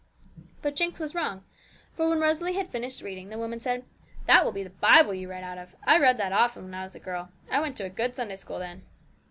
But Jinx was wrong, for when Rosalie had finished reading, the woman said,'That will be the Bible you read out of. I've read that often when I was a girl. I went to a good Sunday school then.'